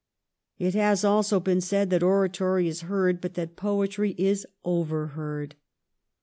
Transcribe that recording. It has also been said that oratory is heard, but that poetry is overheard.